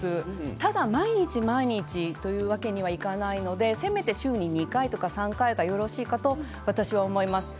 ただ毎日毎日というわけにはいかないのでせめて週に２回か３回がよろしいかと私は思います。